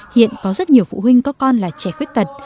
hiện có rất nhiều phụ huynh có con là trẻ khuyết tật